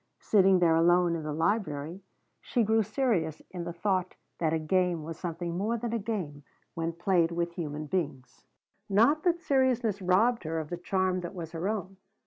Sitting there alone in the library she grew serious in the thought that a game was something more than a game when played with human beings. Not that seriousness robbed her of the charm that was her own.